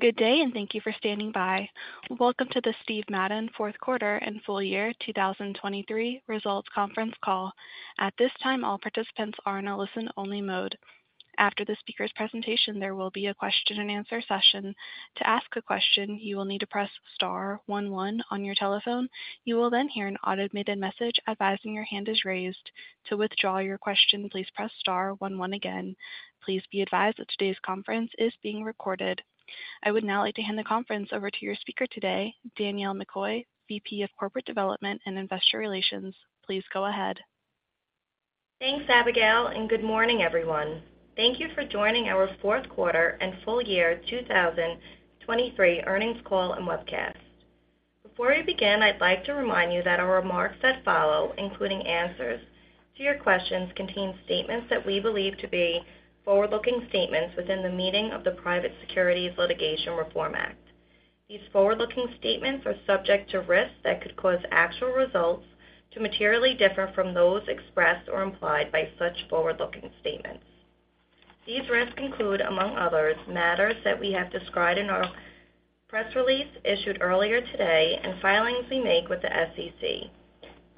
Good day, and thank you for standing by. Welcome to the Steve Madden fourth quarter and full year 2023 results conference call. At this time, all participants are in a listen-only mode. After the speaker's presentation, there will be a question-and-answer session. To ask a question, you will need to press star one one on your telephone. You will then hear an automated message advising your hand is raised. To withdraw your question, please press star one one again. Please be advised that today's conference is being recorded. I would now like to hand the conference over to your speaker today, Danielle McCoy, VP of Corporate Development and Investor Relations. Please go ahead. Thanks, Abigail, and good morning, everyone. Thank you for joining our fourth quarter and full year 2023 earnings call and webcast. Before we begin, I'd like to remind you that our remarks that follow, including answers to your questions, contain statements that we believe to be forward-looking statements within the meaning of the Private Securities Litigation Reform Act. These forward-looking statements are subject to risks that could cause actual results to materially differ from those expressed or implied by such forward-looking statements. These risks include, among others, matters that we have described in our press release issued earlier today and filings we make with the SEC.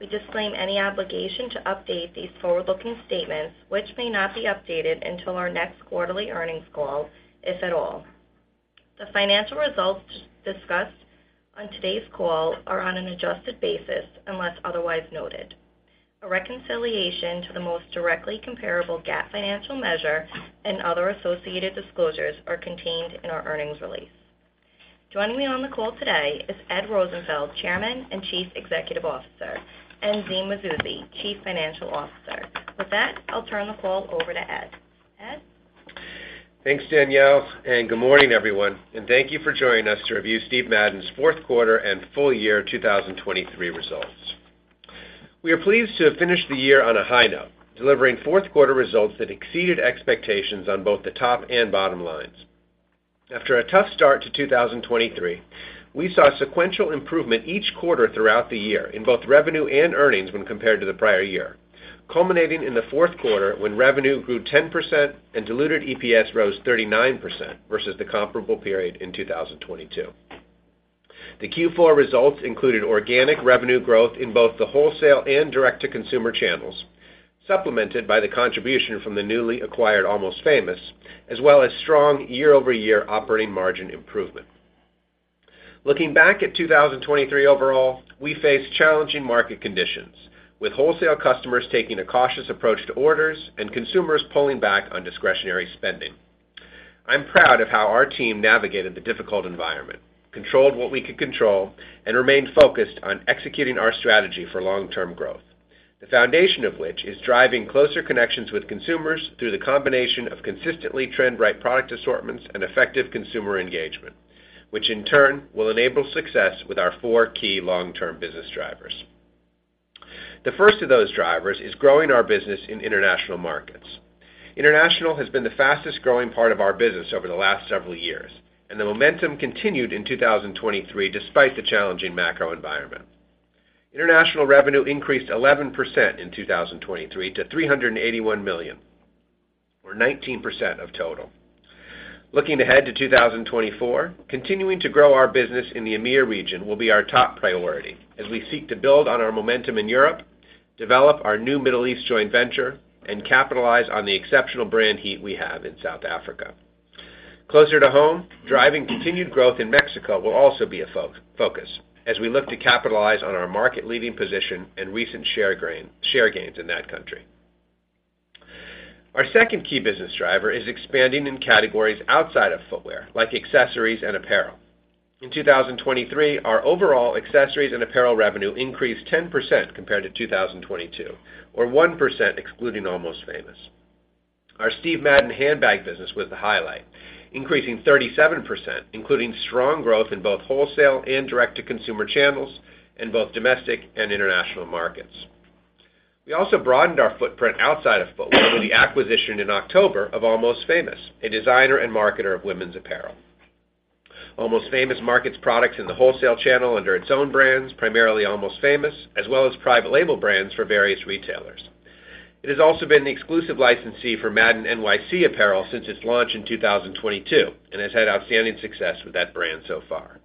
We disclaim any obligation to update these forward-looking statements, which may not be updated until our next quarterly earnings call, if at all. The financial results discussed on today's call are on an adjusted basis unless otherwise noted. A reconciliation to the most directly comparable GAAP financial measure and other associated disclosures are contained in our earnings release. Joining me on the call today is Ed Rosenfeld, Chairman and Chief Executive Officer, and Zine Mazouzi, Chief Financial Officer. With that, I'll turn the call over to Ed. Ed? Thanks, Danielle, and good morning, everyone. Thank you for joining us to review Steve Madden's fourth quarter and full year 2023 results. We are pleased to have finished the year on a high note, delivering fourth quarter results that exceeded expectations on both the top and bottom lines. After a tough start to 2023, we saw sequential improvement each quarter throughout the year in both revenue and earnings when compared to the prior year, culminating in the fourth quarter when revenue grew 10% and diluted EPS rose 39% versus the comparable period in 2022. The Q4 results included organic revenue growth in both the wholesale and direct-to-consumer channels, supplemented by the contribution from the newly acquired Almost Famous, as well as strong year-over-year operating margin improvement. Looking back at 2023 overall, we faced challenging market conditions, with wholesale customers taking a cautious approach to orders and consumers pulling back on discretionary spending. I'm proud of how our team navigated the difficult environment, controlled what we could control, and remained focused on executing our strategy for long-term growth, the foundation of which is driving closer connections with consumers through the combination of consistently trend-right product assortments and effective consumer engagement, which in turn will enable success with our four key long-term business drivers. The first of those drivers is growing our business in international markets. International has been the fastest-growing part of our business over the last several years, and the momentum continued in 2023 despite the challenging macro environment. International revenue increased 11% in 2023 to $381 million, or 19% of total. Looking ahead to 2024, continuing to grow our business in the EMEA region will be our top priority as we seek to build on our momentum in Europe, develop our new Middle East joint venture, and capitalize on the exceptional brand heat we have in South Africa. Closer to home, driving continued growth in Mexico will also be a focus as we look to capitalize on our market-leading position and recent share gains in that country. Our second key business driver is expanding in categories outside of footwear, like accessories and apparel. In 2023, our overall accessories and apparel revenue increased 10% compared to 2022, or 1% excluding Almost Famous. Our Steve Madden handbag business was the highlight, increasing 37%, including strong growth in both wholesale and direct-to-consumer channels and both domestic and international markets. We also broadened our footprint outside of footwear with the acquisition in October of Almost Famous, a designer and marketer of women's apparel. Almost Famous markets products in the wholesale channel under its own brands, primarily Almost Famous, as well as private label brands for various retailers. It has also been the exclusive licensee for Madden NYC apparel since its launch in 2022 and has had outstanding success with that brand so far.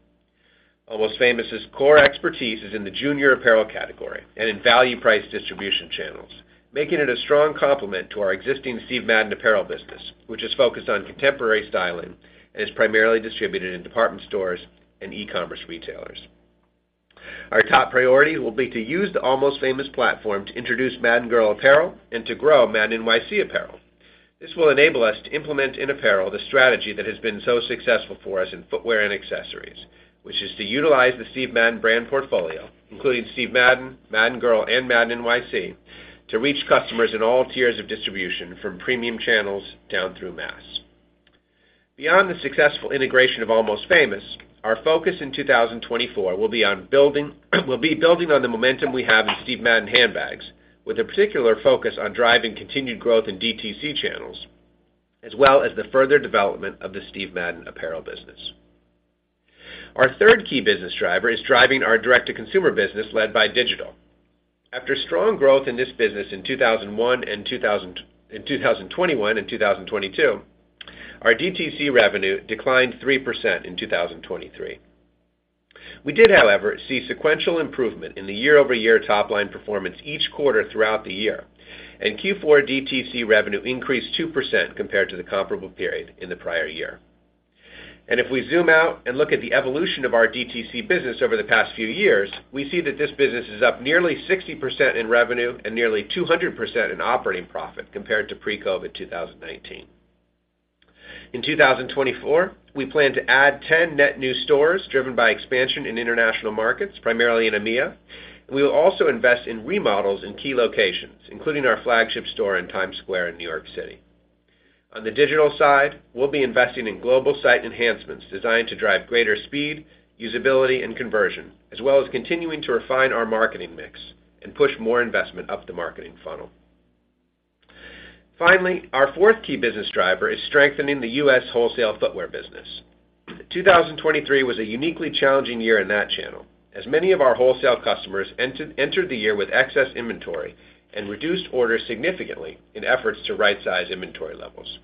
Almost Famous's core expertise is in the junior apparel category and in value-priced distribution channels, making it a strong complement to our existing Steve Madden apparel business, which is focused on contemporary styling and is primarily distributed in department stores and e-commerce retailers. Our top priority will be to use the Almost Famous platform to introduce Madden Girl apparel and to grow Madden NYC apparel. This will enable us to implement in apparel the strategy that has been so successful for us in footwear and accessories, which is to utilize the Steve Madden brand portfolio, including Steve Madden, Madden Girl, and Madden NYC, to reach customers in all tiers of distribution from premium channels down through mass. Beyond the successful integration of Almost Famous, our focus in 2024 will be on building on the momentum we have in Steve Madden handbags, with a particular focus on driving continued growth in DTC channels as well as the further development of the Steve Madden apparel business. Our third key business driver is driving our direct-to-consumer business led by digital. After strong growth in this business in 2021 and 2022, our DTC revenue declined 3% in 2023. We did, however, see sequential improvement in the year-over-year top-line performance each quarter throughout the year, and Q4 DTC revenue increased 2% compared to the comparable period in the prior year. And if we zoom out and look at the evolution of our DTC business over the past few years, we see that this business is up nearly 60% in revenue and nearly 200% in operating profit compared to pre-COVID 2019. In 2024, we plan to add 10 net new stores driven by expansion in international markets, primarily in EMEA, and we will also invest in remodels in key locations, including our flagship store in Times Square in New York City. On the digital side, we'll be investing in global site enhancements designed to drive greater speed, usability, and conversion, as well as continuing to refine our marketing mix and push more investment up the marketing funnel. Finally, our fourth key business driver is strengthening the U.S. wholesale footwear business. 2023 was a uniquely challenging year in that channel, as many of our wholesale customers entered the year with excess inventory and reduced orders significantly in efforts to right-size inventory levels.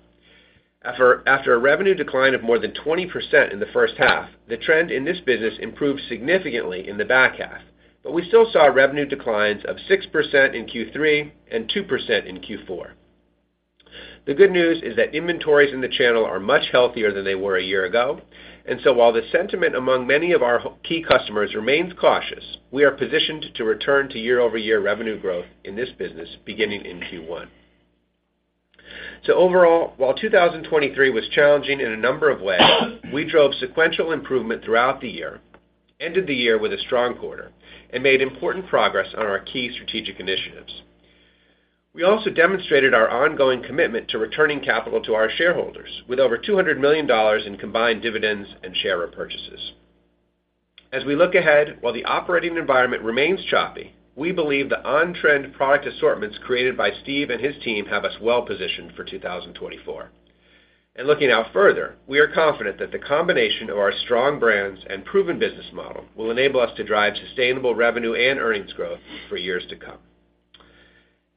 After a revenue decline of more than 20% in the first half, the trend in this business improved significantly in the back half, but we still saw revenue declines of 6% in Q3 and 2% in Q4. The good news is that inventories in the channel are much healthier than they were a year ago, and so while the sentiment among many of our key customers remains cautious, we are positioned to return to year-over-year revenue growth in this business beginning in Q1. Overall, while 2023 was challenging in a number of ways, we drove sequential improvement throughout the year, ended the year with a strong quarter, and made important progress on our key strategic initiatives. We also demonstrated our ongoing commitment to returning capital to our shareholders, with over $200 million in combined dividends and share repurchases. As we look ahead, while the operating environment remains choppy, we believe the on-trend product assortments created by Steve and his team have us well-positioned for 2024. Looking out further, we are confident that the combination of our strong brands and proven business model will enable us to drive sustainable revenue and earnings growth for years to come.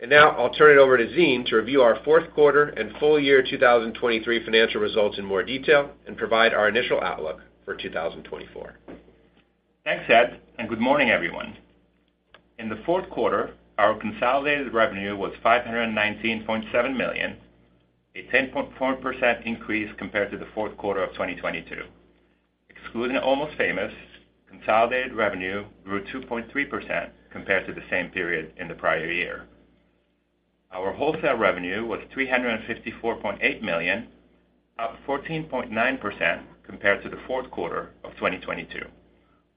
Now I'll turn it over to Zine to review our fourth quarter and full year 2023 financial results in more detail and provide our initial outlook for 2024. Thanks, Ed, and good morning, everyone. In the fourth quarter, our consolidated revenue was $519.7 million, a 10.4% increase compared to the fourth quarter of 2022. Excluding Almost Famous, consolidated revenue grew 2.3% compared to the same period in the prior year. Our wholesale revenue was $354.8 million, up 14.9% compared to the fourth quarter of 2022,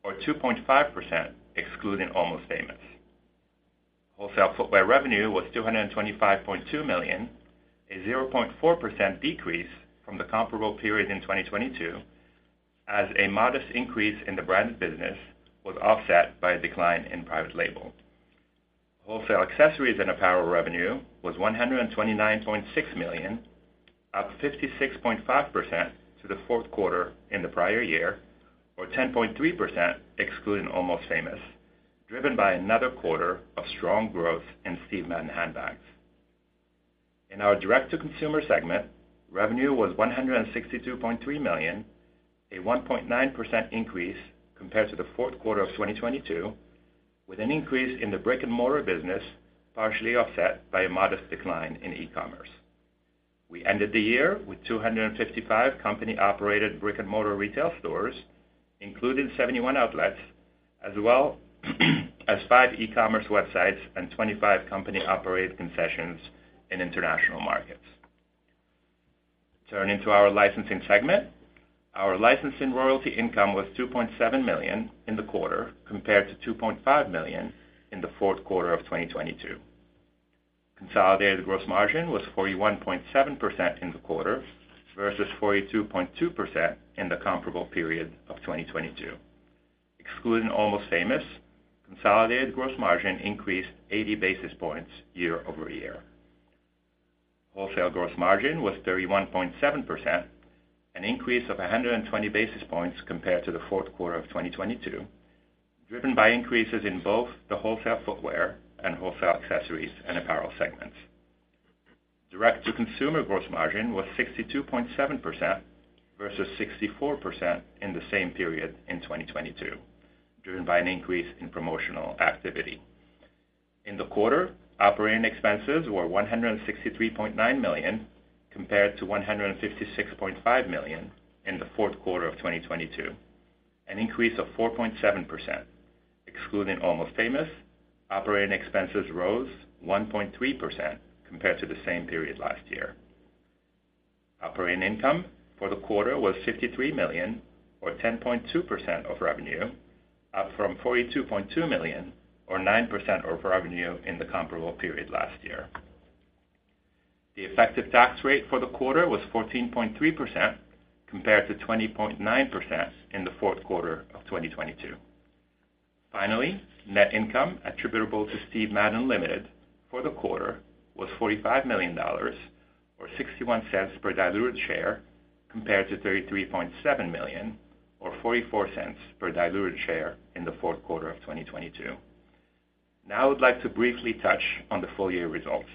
or 2.5% excluding Almost Famous. Wholesale footwear revenue was $225.2 million, a 0.4% decrease from the comparable period in 2022, as a modest increase in the branded business was offset by a decline in private label. Wholesale accessories and apparel revenue was $129.6 million, up 56.5% to the fourth quarter in the prior year, or 10.3% excluding Almost Famous, driven by another quarter of strong growth in Steve Madden handbags. In our direct-to-consumer segment, revenue was $162.3 million, a 1.9% increase compared to the fourth quarter of 2022, with an increase in the brick-and-mortar business partially offset by a modest decline in e-commerce. We ended the year with 255 company-operated brick-and-mortar retail stores, including 71 outlets, as well as five e-commerce websites and 25 company-operated concessions in international markets. Turning to our licensing segment, our licensing royalty income was $2.7 million in the quarter compared to $2.5 million in the fourth quarter of 2022. Consolidated gross margin was 41.7% in the quarter versus 42.2% in the comparable period of 2022. Excluding Almost Famous, consolidated gross margin increased 80 basis points year-over-year. Wholesale gross margin was 31.7%, an increase of 120 basis points compared to the fourth quarter of 2022, driven by increases in both the wholesale footwear and wholesale accessories and apparel segments. Direct-to-consumer gross margin was 62.7% versus 64% in the same period in 2022, driven by an increase in promotional activity. In the quarter, operating expenses were $163.9 million compared to $156.5 million in the fourth quarter of 2022, an increase of 4.7%. Excluding Almost Famous, operating expenses rose 1.3% compared to the same period last year. Operating income for the quarter was $53 million, or 10.2% of revenue, up from $42.2 million, or 9% over revenue in the comparable period last year. The effective tax rate for the quarter was 14.3% compared to 20.9% in the fourth quarter of 2022. Finally, net income attributable to Steven Madden, Ltd. for the quarter was $45 million, or $0.61 per diluted share, compared to $33.7 million, or $0.44 per diluted share in the fourth quarter of 2022. Now I would like to briefly touch on the full year results.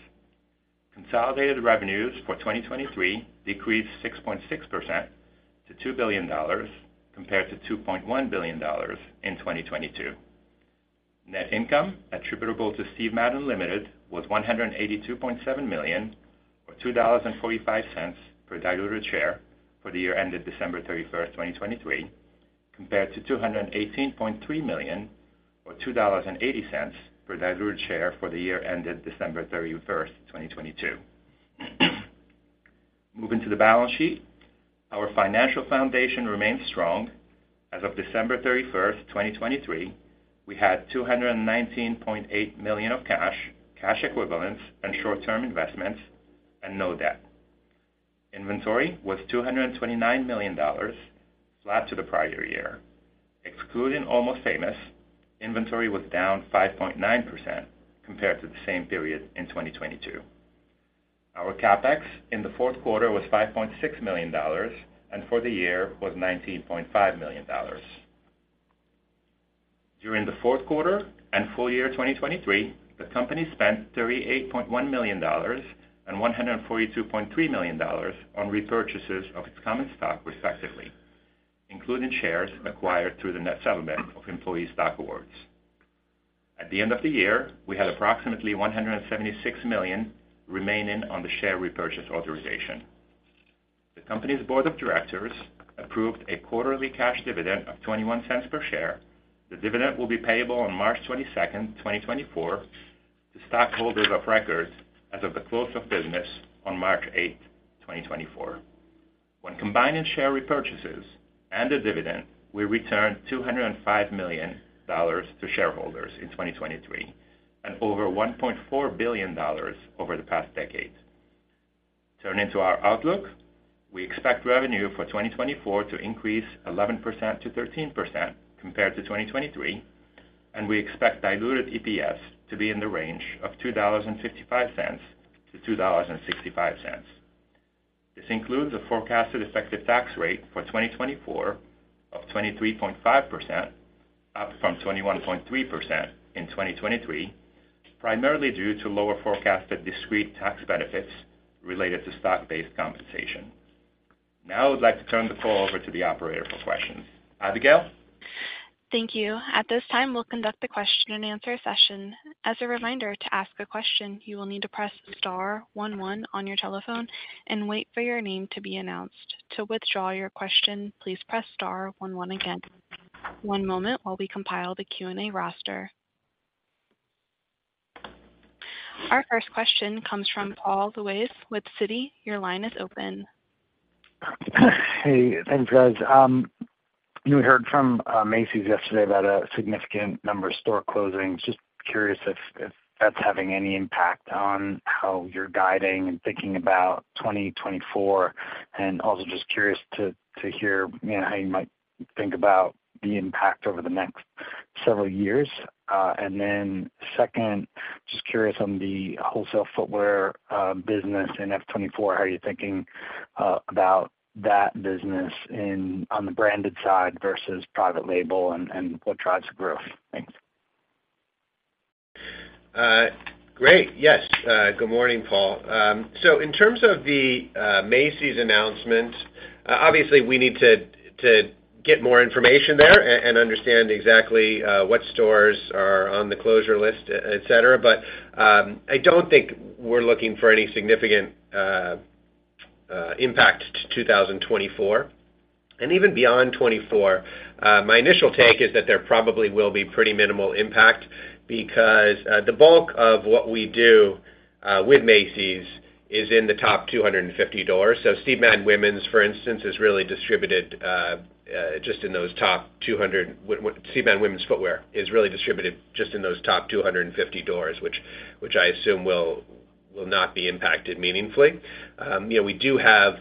Consolidated revenues for 2023 decreased 6.6% to $2 billion compared to $2.1 billion in 2022. Net income attributable to Steven Madden, Ltd. was $182.7 million, or $2.45 per diluted share for the year ended December 31st, 2023, compared to $218.3 million, or $2.80 per diluted share for the year ended December 31st, 2022. Moving to the balance sheet, our financial foundation remained strong. As of December 31st, 2023, we had $219.8 million of cash, cash equivalents, and short-term investments, and no debt. Inventory was $229 million, flat to the prior year. Excluding Almost Famous, inventory was down 5.9% compared to the same period in 2022. Our Capex in the fourth quarter was $5.6 million, and for the year was $19.5 million. During the fourth quarter and full year 2023, the company spent $38.1 million and $142.3 million on repurchases of its common stock, respectively, including shares acquired through the net settlement of employee stock awards. At the end of the year, we had approximately $176 million remaining on the share repurchase authorization. The company's board of directors approved a quarterly cash dividend of $0.21 per share. The dividend will be payable on March 22nd, 2024, to stockholders of record as of the close of business on March 8th, 2024. When combined in share repurchases and the dividend, we returned $205 million to shareholders in 2023, and over $1.4 billion over the past decade. Turning to our outlook, we expect revenue for 2024 to increase 11%-13% compared to 2023, and we expect diluted EPS to be in the range of $2.55-$2.65. This includes a forecasted effective tax rate for 2024 of 23.5%, up from 21.3% in 2023, primarily due to lower forecasted discrete tax benefits related to stock-based compensation. Now I would like to turn the call over to the operator for questions. Abigail? Thank you. At this time, we'll conduct the question-and-answer session. As a reminder, to ask a question, you will need to press star one one on your telephone and wait for your name to be announced. To withdraw your question, please press star one one again. One moment while we compile the Q&A roster. Our first question comes from Paul Lejuez with Citi. Your line is open. Hey, thanks, guys. We heard from Macy's yesterday about a significant number of store closings. Just curious if that's having any impact on how you're guiding and thinking about 2024, and also just curious to hear how you might think about the impact over the next several years. And then second, just curious on the wholesale footwear business in F24, how you're thinking about that business on the branded side versus private label, and what drives the growth. Thanks. Great. Yes. Good morning, Paul. So in terms of the Macy's announcement, obviously, we need to get more information there and understand exactly what stores are on the closure list, etc. But I don't think we're looking for any significant impact to 2024. And even beyond 2024, my initial take is that there probably will be pretty minimal impact because the bulk of what we do with Macy's is in the top 250. So Steve Madden Women's, for instance, is really distributed just in those top 200. Steve Madden Women's footwear is really distributed just in those top 250 doors, which I assume will not be impacted meaningfully. We do have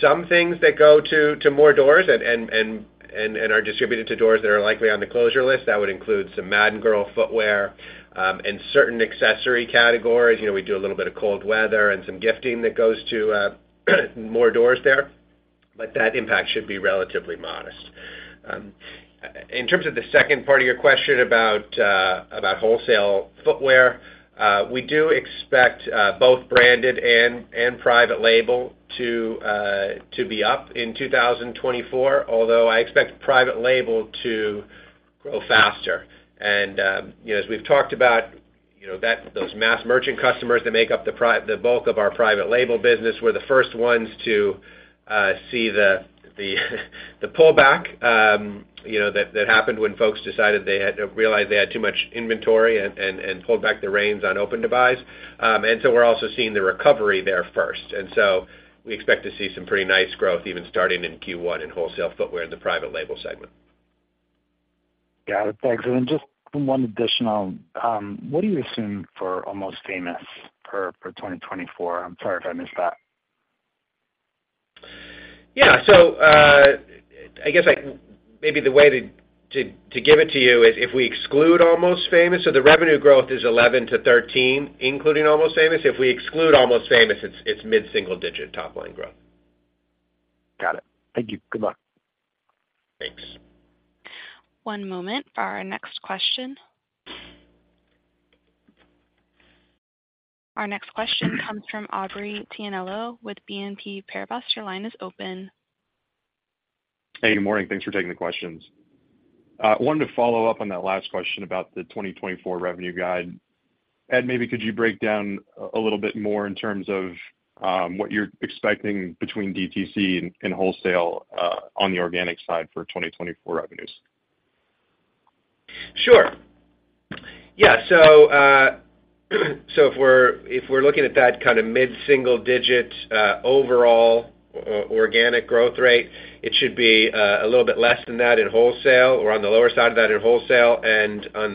some things that go to more doors and are distributed to doors that are likely on the closure list. That would include some Madden Girl footwear and certain accessory categories. We do a little bit of cold weather and some gifting that goes to more doors there, but that impact should be relatively modest. In terms of the second part of your question about wholesale footwear, we do expect both branded and private label to be up in 2024, although I expect private label to grow faster. And as we've talked about, those mass merchant customers that make up the bulk of our private label business were the first ones to see the pullback that happened when folks realized they had too much inventory and pulled back their reins on open-to-buys. And so we're also seeing the recovery there first. And so we expect to see some pretty nice growth even starting in Q1 in wholesale footwear in the private label segment. Got it. Thanks. And then just one additional, what do you assume for Almost Famous for 2024? I'm sorry if I missed that. Yeah. So I guess maybe the way to give it to you is if we exclude Almost Famous so the revenue growth is 11%-13%, including Almost Famous. If we exclude Almost Famous, it's mid-single-digit top-line growth. Got it. Thank you. Good luck. Thanks. One moment for our next question. Our next question comes from Aubrey Tianello with BNP Paribas. Your line is open. Hey, good morning. Thanks for taking the questions. I wanted to follow up on that last question about the 2024 revenue guide. Ed, maybe could you break down a little bit more in terms of what you're expecting between DTC and wholesale on the organic side for 2024 revenues? Sure. Yeah. So if we're looking at that kind of mid-single-digit overall organic growth rate, it should be a little bit less than that in wholesale or on the lower side of that in wholesale and a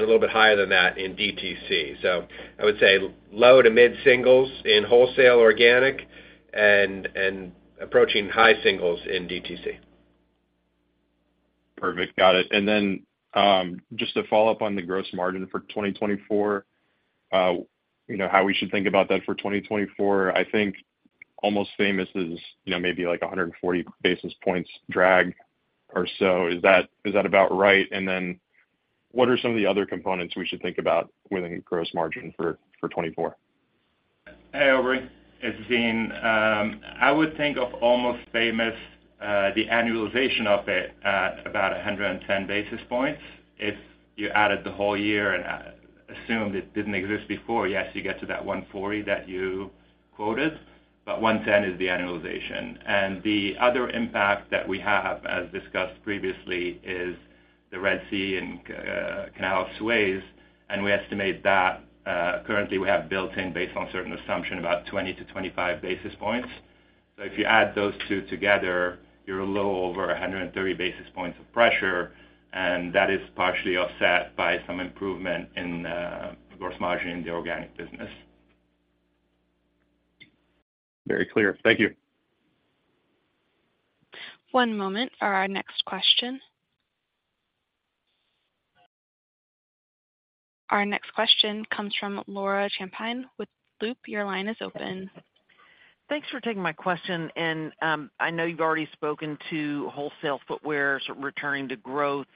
little bit higher than that in DTC. So I would say low to mid-singles in wholesale organic and approaching high singles in DTC. Perfect. Got it. And then just to follow up on the gross margin for 2024, how we should think about that for 2024, I think Almost Famous is maybe like 140 basis points drag or so. Is that about right? And then what are some of the other components we should think about within gross margin for 2024? Hey, Aubrey. It's Zine. I would think of Almost Famous, the annualization of it, about 110 basis points. If you added the whole year and assumed it didn't exist before, yes, you get to that 140 that you quoted, but 110 is the annualization. And the other impact that we have, as discussed previously, is the Red Sea and Suez Canal. And we estimate that currently, we have built-in, based on certain assumption, about 20 basis points-25 basis points. So if you add those two together, you're a little over 130 basis points of pressure, and that is partially offset by some improvement in gross margin in the organic business. Very clear. Thank you. One moment for our next question. Our next question comes from Laura Champine with Loop Capital. Your line is open. Thanks for taking my question. I know you've already spoken to wholesale footwear, sort of returning to growth.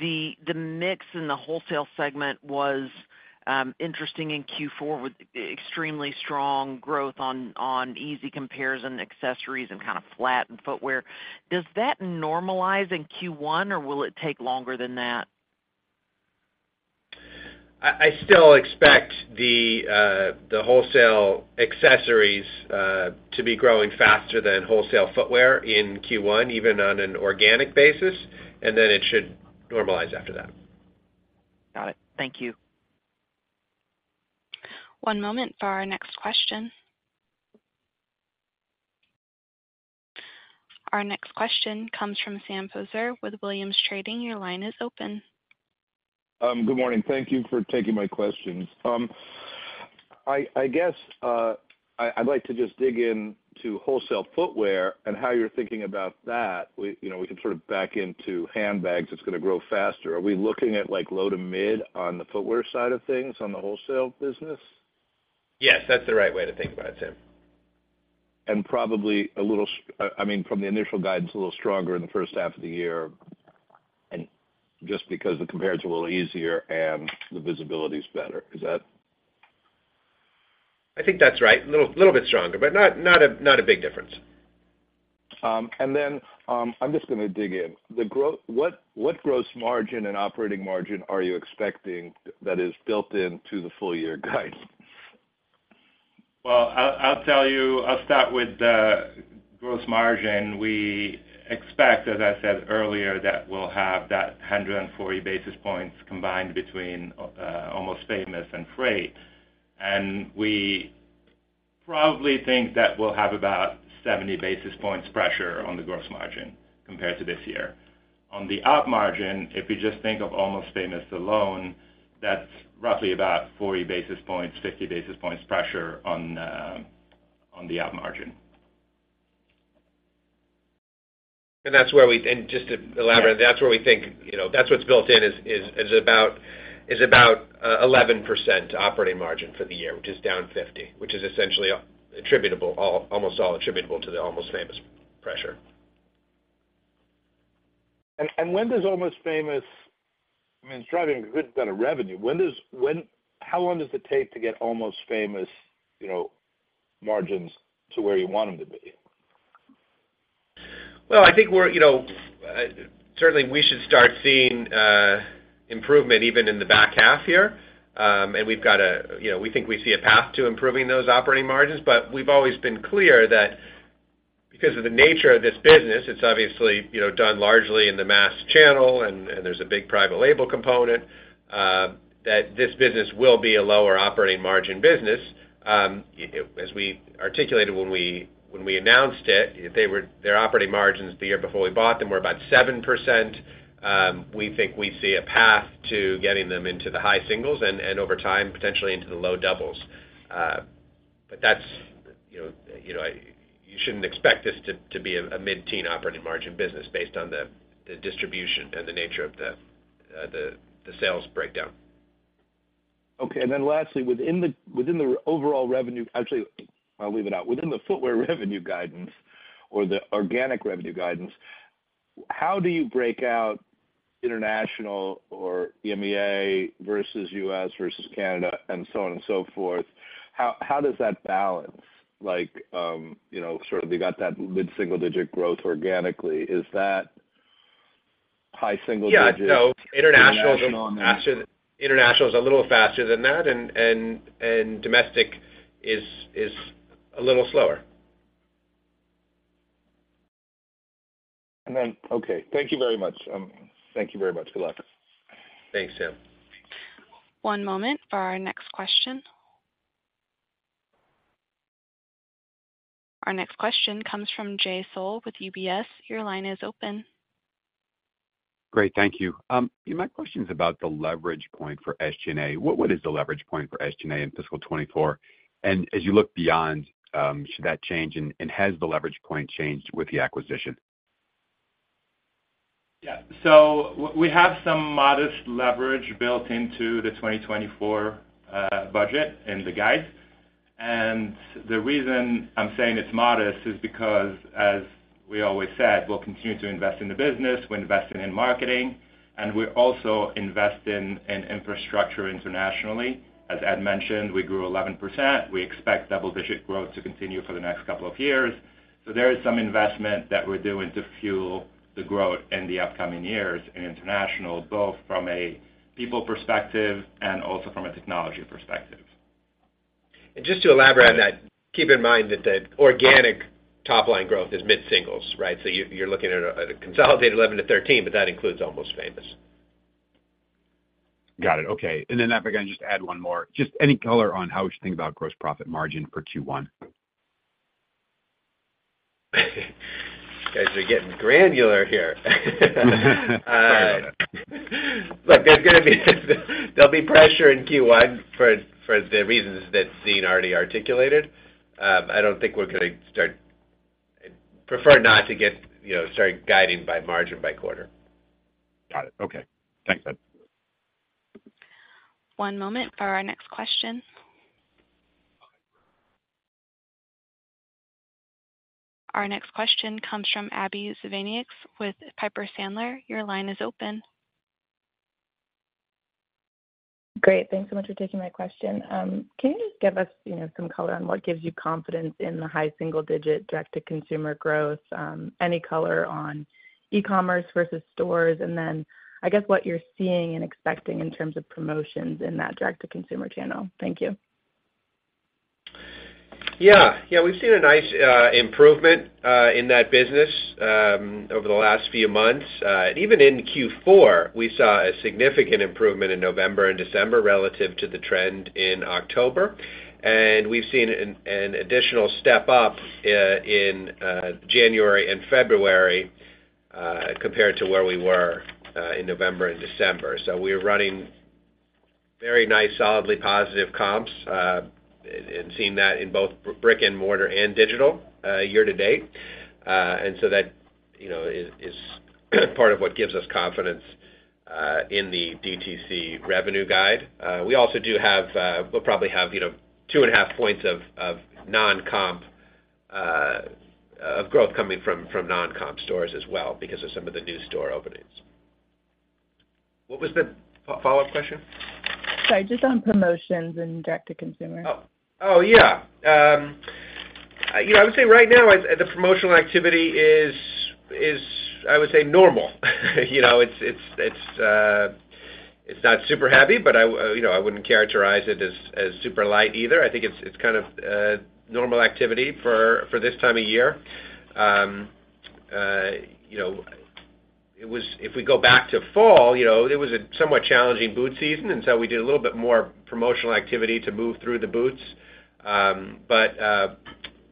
The mix in the wholesale segment was interesting in Q4 with extremely strong growth on easy comparison accessories and kind of flat in footwear. Does that normalize in Q1, or will it take longer than that? I still expect the wholesale accessories to be growing faster than wholesale footwear in Q1, even on an organic basis, and then it should normalize after that. Got it. Thank you. One moment for our next question. Our next question comes from Sam Poser with Williams Trading. Your line is open. Good morning. Thank you for taking my questions. I guess I'd like to just dig into wholesale footwear and how you're thinking about that. We can sort of back into handbags that's going to grow faster. Are we looking at low to mid on the footwear side of things on the wholesale business? Yes, that's the right way to think about it, Sam. Probably a little—I mean, from the initial guidance, a little stronger in the first half of the year just because the comparison is a little easier and the visibility is better. Is that? I think that's right. A little bit stronger, but not a big difference. I'm just going to dig in. What gross margin and operating margin are you expecting that is built into the full year guide? Well, I'll tell you, I'll start with gross margin. We expect, as I said earlier, that we'll have that 140 basis points combined between Almost Famous and freight. And we probably think that we'll have about 70 basis points pressure on the gross margin compared to this year. On the op margin, if you just think of Almost Famous alone, that's roughly about 40 basis points, 50 basis points pressure on the op margin. And that's where we, just to elaborate, that's where we think that's what's built in is about 11% operating margin for the year, which is down 50, which is essentially almost all attributable to the Almost Famous pressure. When does Almost Famous, I mean, it's driving a good bit of revenue. How long does it take to get Almost Famous margins to where you want them to be? Well, I think we're certainly, we should start seeing improvement even in the back half here. And we've got, we think, we see a path to improving those operating margins. But we've always been clear that because of the nature of this business, it's obviously done largely in the mass channel, and there's a big private label component, that this business will be a lower operating margin business. As we articulated when we announced it, their operating margins the year before we bought them were about 7%. We think we see a path to getting them into the high singles and over time, potentially into the low doubles. But that's, you shouldn't expect this to be a mid-teen operating margin business based on the distribution and the nature of the sales breakdown. Okay. And then lastly, within the overall revenue actually, I'll leave it out. Within the footwear revenue guidance or the organic revenue guidance, how do you break out international or EMEA versus U.S. versus Canada and so on and so forth? How does that balance? Sort of, you got that mid-single-digit growth organically. Is that high single digit? Yeah. No, international is a little faster than that, and domestic is a little slower. Okay. Thank you very much. Thank you very much. Good luck. Thanks, Sam. One moment for our next question. Our next question comes from Jay Sole with UBS. Your line is open. Great. Thank you. My question is about the leverage point for SG&A. What is the leverage point for SG&A in fiscal 2024? And as you look beyond, should that change, and has the leverage point changed with the acquisition? Yeah. So we have some modest leverage built into the 2024 budget and the guide. The reason I'm saying it's modest is because, as we always said, we'll continue to invest in the business. We're investing in marketing, and we're also investing in infrastructure internationally. As Ed mentioned, we grew 11%. We expect double-digit growth to continue for the next couple of years. There is some investment that we're doing to fuel the growth in the upcoming years in international, both from a people perspective and also from a technology perspective. Just to elaborate on that. Keep in mind that the organic top-line growth is mid-singles, right? You're looking at a consolidated 11%-13%, but that includes Almost Famous. Got it. Okay. Then that, again, just add one more. Just any color on how we should think about gross profit margin for Q1. Guys, you're getting granular here. Sorry about that. Look, there'll be pressure in Q1 for the reasons that Zine already articulated. I don't think we're going to start. Prefer not to get started guiding by margin by quarter. Got it. Okay. Thanks, Ed. One moment for our next question. Our next question comes from Abbie Zvejnieks with Piper Sandler. Your line is open. Great. Thanks so much for taking my question. Can you just give us some color on what gives you confidence in the high single-digit direct-to-consumer growth? Any color on e-commerce versus stores? And then I guess what you're seeing and expecting in terms of promotions in that direct-to-consumer channel. Thank you. Yeah. Yeah. We've seen a nice improvement in that business over the last few months. Even in Q4, we saw a significant improvement in November and December relative to the trend in October. And we've seen an additional step up in January and February compared to where we were in November and December. So we're running very nice, solidly positive comps and seeing that in both brick-and-mortar and digital year to date. And so that is part of what gives us confidence in the DTC revenue guide. We also do have; we'll probably have 2.5 points of growth coming from non-comp stores as well because of some of the new store openings. What was the follow-up question? Sorry, just on promotions and direct-to-consumer. Oh, yeah. I would say right now, the promotional activity is, I would say, normal. It's not super heavy, but I wouldn't characterize it as super light either. I think it's kind of normal activity for this time of year. If we go back to fall, it was a somewhat challenging boot season, and so we did a little bit more promotional activity to move through the boots. But the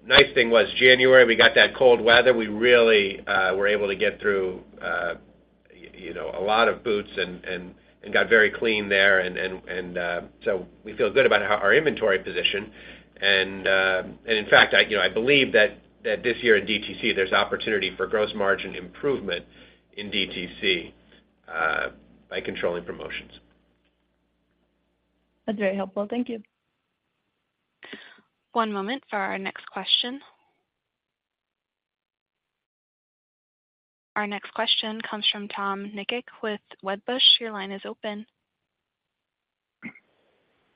nice thing was January, we got that cold weather. We really were able to get through a lot of boots and got very clean there. And so we feel good about our inventory position. And in fact, I believe that this year in DTC, there's opportunity for gross margin improvement in DTC by controlling promotions. That's very helpful. Thank you. One moment for our next question. Our next question comes from Tom Nikic with Wedbush. Your line is open.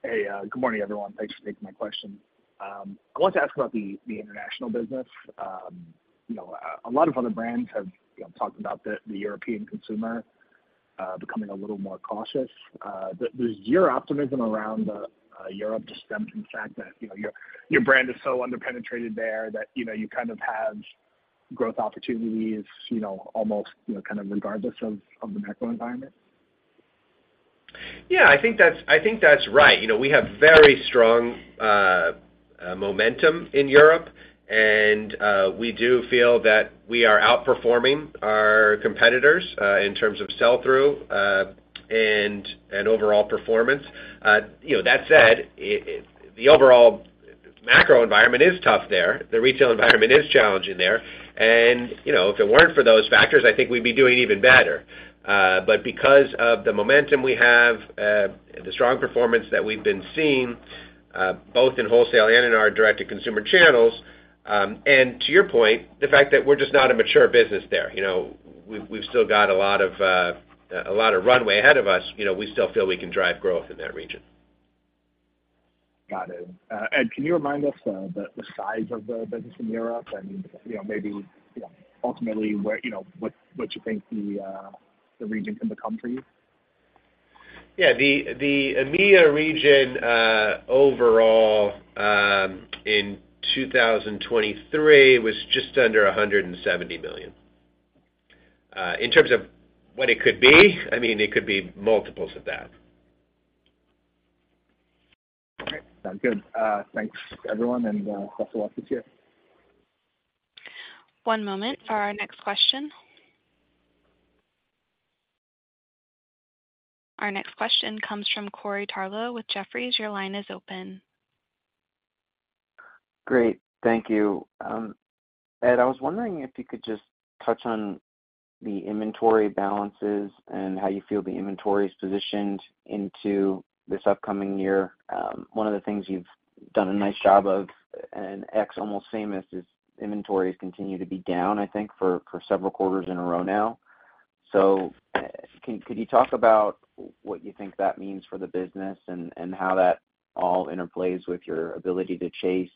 Hey. Good morning, everyone. Thanks for taking my question. I wanted to ask about the international business. A lot of other brands have talked about the European consumer becoming a little more cautious. Does your optimism around Europe just stem from the fact that your brand is so underpenetrated there that you kind of have growth opportunities almost kind of regardless of the macro environment? Yeah. I think that's right. We have very strong momentum in Europe, and we do feel that we are outperforming our competitors in terms of sell-through and overall performance. That said, the overall macro environment is tough there. The retail environment is challenging there. And if it weren't for those factors, I think we'd be doing even better. But because of the momentum we have, the strong performance that we've been seeing both in wholesale and in our direct-to-consumer channels, and to your point, the fact that we're just not a mature business there. We've still got a lot of runway ahead of us. We still feel we can drive growth in that region. Got it. Ed, can you remind us the size of the business in Europe and maybe ultimately what you think the region can become for you? Yeah. The EMEA region overall in 2023 was just under $170 million. In terms of what it could be, I mean, it could be multiples of that. All right. Sounds good. Thanks, everyone, and best of luck this year. One moment for our next question. Our next question comes from Corey Tarlowe with Jefferies. Your line is open. Great. Thank you. Ed, I was wondering if you could just touch on the inventory balances and how you feel the inventory is positioned into this upcoming year. One of the things you've done a nice job of, and ex-Almost Famous, is inventories continue to be down, I think, for several quarters in a row now. So could you talk about what you think that means for the business and how that all interplays with your ability to chase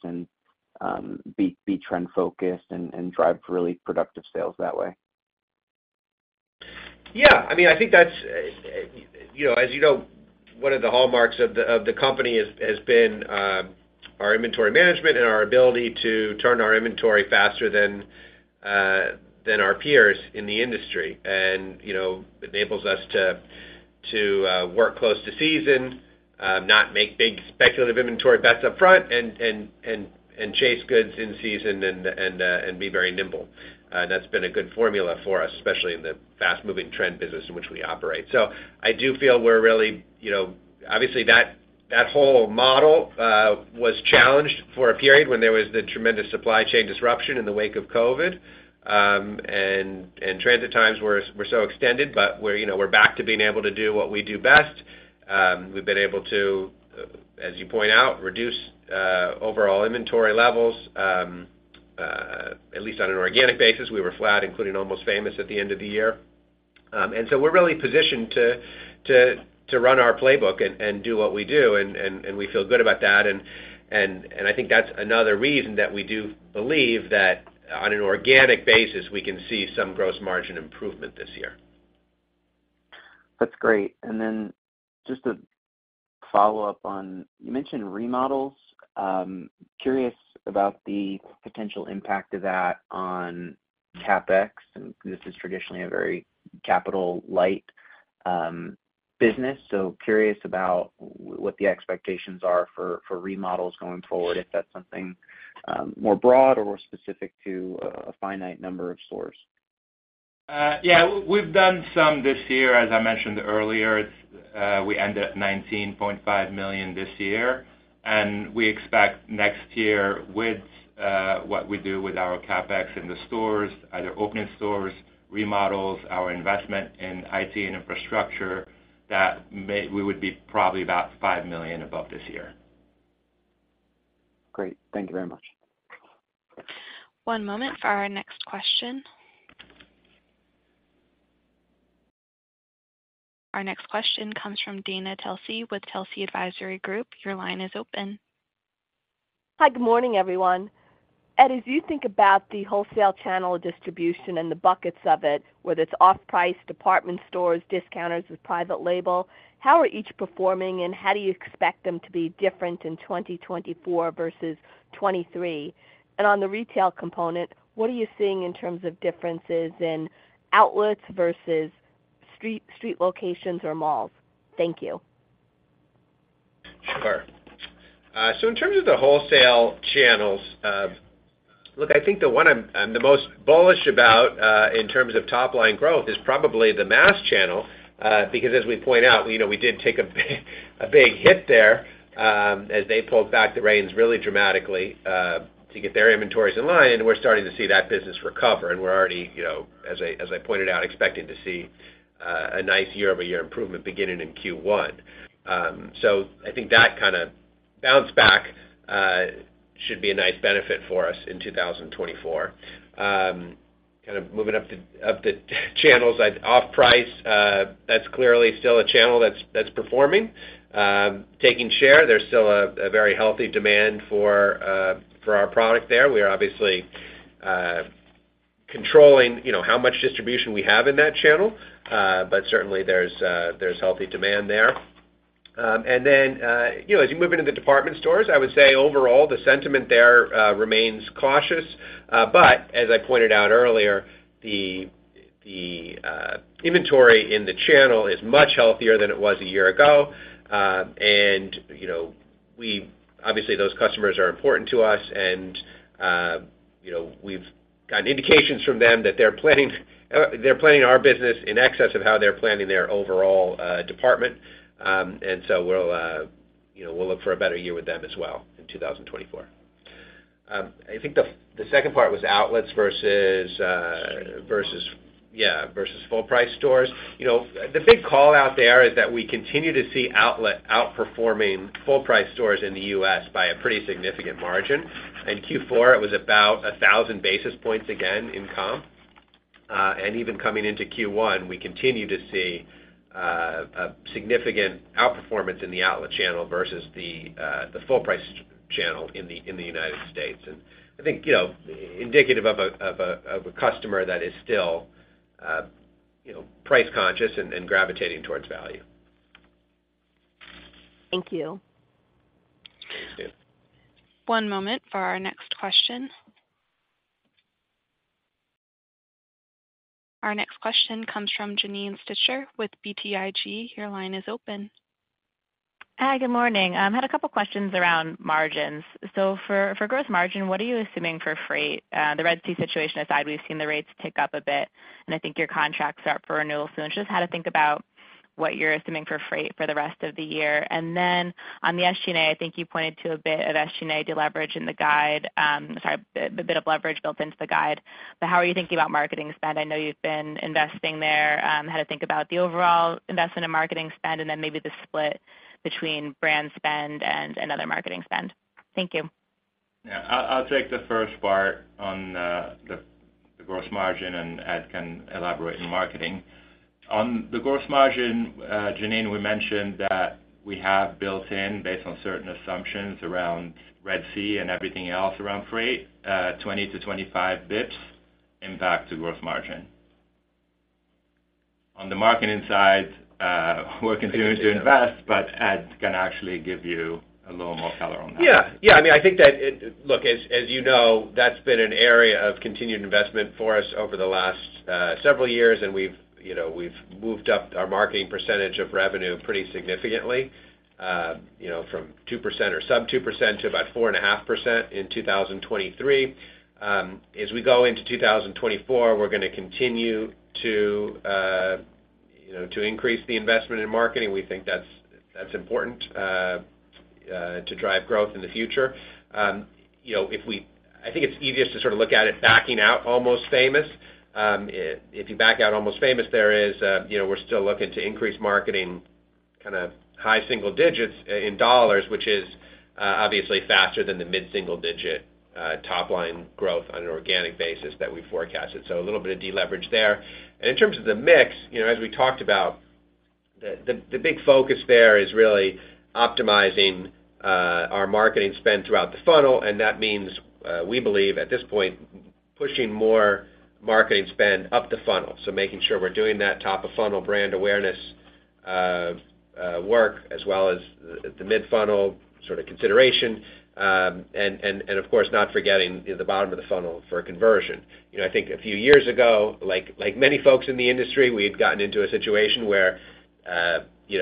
and be trend-focused and drive really productive sales that way? Yeah. I mean, I think that's, as you know, one of the hallmarks of the company has been our inventory management and our ability to turn our inventory faster than our peers in the industry. And it enables us to work close to season, not make big speculative inventory bets upfront, and chase goods in season and be very nimble. And that's been a good formula for us, especially in the fast-moving trend business in which we operate. So I do feel we're really obviously, that whole model was challenged for a period when there was the tremendous supply chain disruption in the wake of COVID. And transit times were so extended, but we're back to being able to do what we do best. We've been able to, as you point out, reduce overall inventory levels, at least on an organic basis. We were flat, including Almost Famous, at the end of the year. And so we're really positioned to run our playbook and do what we do, and we feel good about that. And I think that's another reason that we do believe that on an organic basis, we can see some gross margin improvement this year. That's great. And then just a follow-up on you mentioned remodels. Curious about the potential impact of that on Capex. And this is traditionally a very capital-light business. So curious about what the expectations are for remodels going forward, if that's something more broad or more specific to a finite number of stores. Yeah. We've done some this year. As I mentioned earlier, we ended at $19.5 million this year. We expect next year, with what we do with our CapEx in the stores, either opening stores, remodels, our investment in IT and infrastructure, that we would be probably about $5 million above this year. Great. Thank you very much. One moment for our next question. Our next question comes from Dana Telsey with Telsey Advisory Group. Your line is open. Hi. Good morning, everyone. Ed, as you think about the wholesale channel distribution and the buckets of it, whether it's off-price, department stores, discounters with private label, how are each performing, and how do you expect them to be different in 2024 versus 2023? On the retail component, what are you seeing in terms of differences in outlets versus street locations or malls? Thank you. Sure. So in terms of the wholesale channels, look, I think the one I'm the most bullish about in terms of top-line growth is probably the mass channel because, as we point out, we did take a big hit there as they pulled back the reins really dramatically to get their inventories in line. And we're starting to see that business recover. And we're already, as I pointed out, expecting to see a nice year-over-year improvement beginning in Q1. So I think that kind of bounce back should be a nice benefit for us in 2024. Kind of moving up the channels, off-price, that's clearly still a channel that's performing. Taking share, there's still a very healthy demand for our product there. We are obviously controlling how much distribution we have in that channel, but certainly, there's healthy demand there. Then as you move into the department stores, I would say overall, the sentiment there remains cautious. But as I pointed out earlier, the inventory in the channel is much healthier than it was a year ago. Obviously, those customers are important to us, and we've gotten indications from them that they're planning our business in excess of how they're planning their overall department. So we'll look for a better year with them as well in 2024. I think the second part was outlets versus, yeah, full-price stores. The big callout there is that we continue to see outlet outperforming full-price stores in the U.S. by a pretty significant margin. In Q4, it was about 1,000 basis points again in comp. And even coming into Q1, we continue to see a significant outperformance in the outlet channel versus the full-price channel in the United States. I think indicative of a customer that is still price-conscious and gravitating towards value. Thank you. You too. One moment for our next question. Our next question comes from Janine Stichter with BTIG. Your line is open. Hi. Good morning. I had a couple of questions around margins. So for gross margin, what are you assuming for freight? The Red Sea situation aside, we've seen the rates tick up a bit, and I think your contracts are up for renewal soon. So just how to think about what you're assuming for freight for the rest of the year? And then on the SG&A, I think you pointed to a bit of SG&A leverage in the guide sorry, a bit of leverage built into the guide. But how are you thinking about marketing spend? I know you've been investing there. How to think about the overall investment in marketing spend and then maybe the split between brand spend and other marketing spend? Thank you. Yeah. I'll take the first part on the gross margin, and Ed can elaborate on marketing. On the gross margin, Janine, we mentioned that we have built in, based on certain assumptions around Red Sea and everything else around freight, 20 bps-25 bps impact to gross margin. On the marketing side, we're continuing to invest, but Ed can actually give you a little more color on that. Yeah. Yeah. I mean, I think that look, as you know, that's been an area of continued investment for us over the last several years, and we've moved up our marketing percentage of revenue pretty significantly from 2% or sub-2% to about 4.5% in 2023. As we go into 2024, we're going to continue to increase the investment in marketing. We think that's important to drive growth in the future. I think it's easiest to sort of look at it backing out Almost Famous. If you back out Almost Famous, we're still looking to increase marketing kind of high single digits in dollars, which is obviously faster than the mid-single digit top-line growth on an organic basis that we forecasted. So a little bit of deleverage there. And in terms of the mix, as we talked about, the big focus there is really optimizing our marketing spend throughout the funnel. And that means, we believe at this point, pushing more marketing spend up the funnel. So making sure we're doing that top-of-funnel brand awareness work as well as the mid-funnel sort of consideration. And of course, not forgetting the bottom of the funnel for conversion. I think a few years ago, like many folks in the industry, we had gotten into a situation where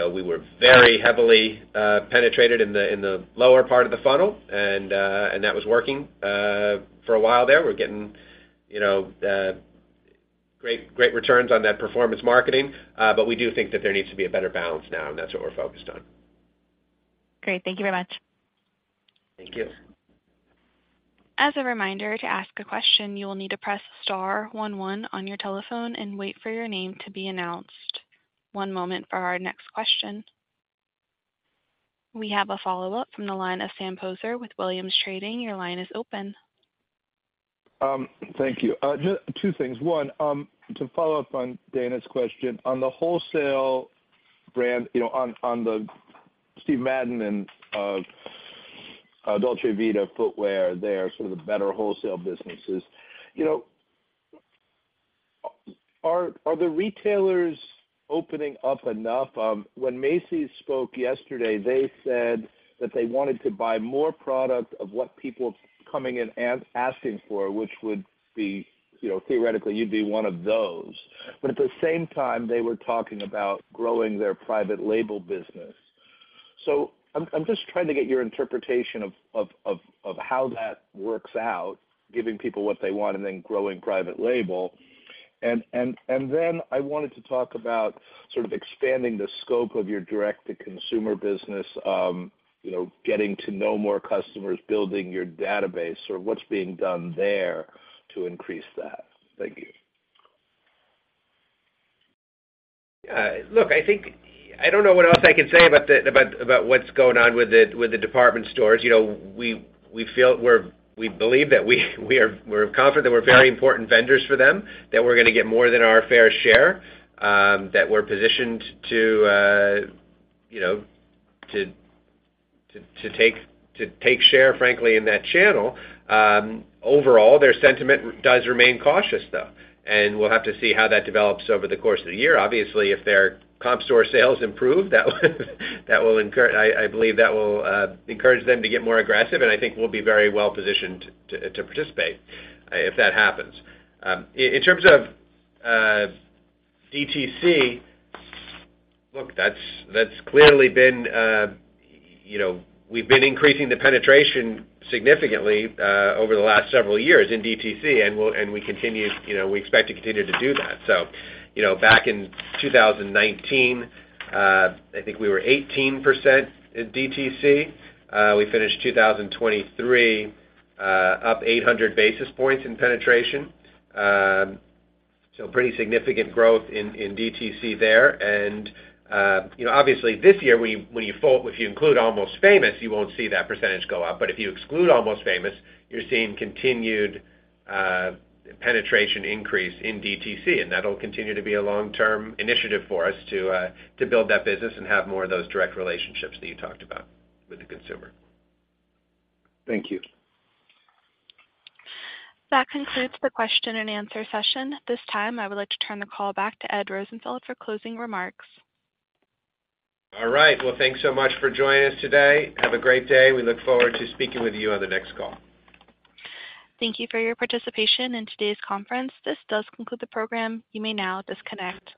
we were very heavily penetrated in the lower part of the funnel, and that was working for a while there. We were getting great returns on that performance marketing, but we do think that there needs to be a better balance now, and that's what we're focused on. Great. Thank you very much. Thank you. As a reminder to ask a question, you will need to press star one one on your telephone and wait for your name to be announced. One moment for our next question. We have a follow-up from the line of Sam Poser with Williams Trading. Your line is open. Thank you. Two things. One, to follow up on Dana's question, on the wholesale brand on the Steve Madden and Dolce Vita footwear, they're sort of the better wholesale businesses. Are the retailers opening up enough? When Macy's spoke yesterday, they said that they wanted to buy more product of what people coming in asking for, which would be theoretically, you'd be one of those. But at the same time, they were talking about growing their private label business. So I'm just trying to get your interpretation of how that works out, giving people what they want and then growing private label. And then I wanted to talk about sort of expanding the scope of your direct-to-consumer business, getting to know more customers, building your database, sort of what's being done there to increase that. Thank you. Yeah. Look, I don't know what else I can say about what's going on with the department stores. We believe that we're confident that we're very important vendors for them, that we're going to get more than our fair share, that we're positioned to take share, frankly, in that channel. Overall, their sentiment does remain cautious, though. We'll have to see how that develops over the course of the year. Obviously, if their comp store sales improve, I believe that will encourage them to get more aggressive. I think we'll be very well-positioned to participate if that happens. In terms of DTC, look, we've been increasing the penetration significantly over the last several years in DTC, and we expect to continue to do that. So back in 2019, I think we were 18% in DTC. We finished 2023 up 800 basis points in penetration. So pretty significant growth in DTC there. And obviously, this year, when you include Almost Famous, you won't see that percentage go up. But if you exclude Almost Famous, you're seeing continued penetration increase in DTC. And that'll continue to be a long-term initiative for us to build that business and have more of those direct relationships that you talked about with the consumer. Thank you. That concludes the question-and-answer session. This time, I would like to turn the call back to Ed Rosenfeld for closing remarks. All right. Well, thanks so much for joining us today. Have a great day. We look forward to speaking with you on the next call. Thank you for your participation in today's conference. This does conclude the program. You may now disconnect.